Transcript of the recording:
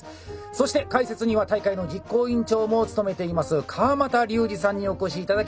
そして解説には大会の実行委員長も務めています川股竜二さんにお越し頂きました。